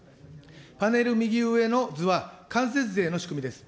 パネル右上の図は、間接税の仕組みです。